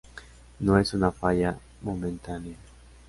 No es una falla momentánea.